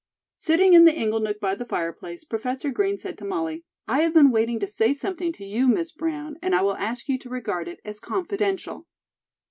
Sitting in the inglenook by the fireplace, Professor Green said to Molly: "I have been waiting to say something to you, Miss Brown, and I will ask you to regard it as confidential."